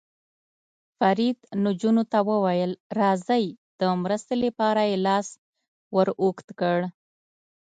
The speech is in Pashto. فرید نجونو ته وویل: راځئ، د مرستې لپاره یې لاس ور اوږد کړ.